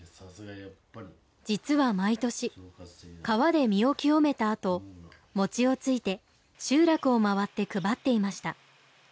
実は毎年川で身を清めたあと餅をついて集落を回って配っていました。